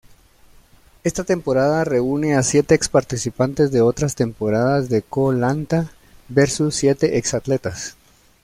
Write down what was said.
Esta temporada reúne a siete ex-participantes de otras temporadas de Koh-Lanta, versus siete ex-atletas.